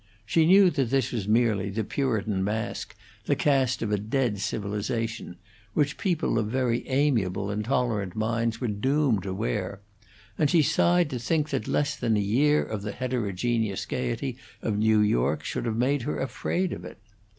She knew that this was merely the Puritan mask, the cast of a dead civilization, which people of very amiable and tolerant minds were doomed to wear, and she sighed to think that less than a year of the heterogeneous gayety of New York should have made her afraid of it.